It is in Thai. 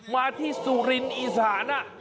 มาที่สุรินทร์อีสาน